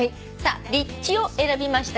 「立地」を選びました